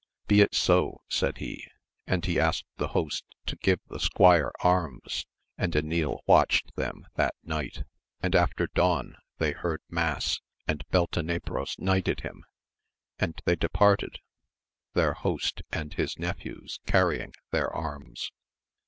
Be it so 1 said he, and he asked the host to give the squire arms ; and Enil watched them that nighty and after dawn they heard mass, and Beltene tros knighted him, and they departed, their host and his nephews csurying their arms.